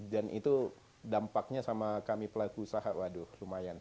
dan itu dampaknya sama kami pelaku usaha waduh lumayan